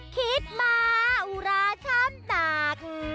คิดมาอุราชัมนัก